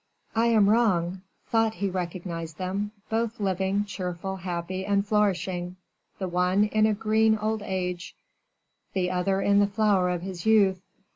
I am wrong, thought he recognized them, both living, cheerful, happy, and flourishing, the one in a green old age, the other in the flower of his youth.